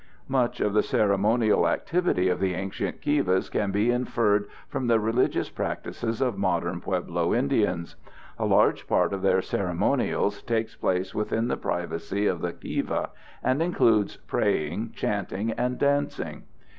Much of the ceremonial activity in the ancient kivas can be inferred from the religious practices of modern Pueblo Indians. A large part of their ceremonials takes place within the privacy of the kiva and includes praying, chanting, and dancing.